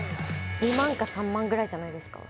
２万か３万ぐらいじゃないですか？